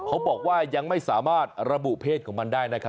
เขาบอกว่ายังไม่สามารถระบุเพศของมันได้นะครับ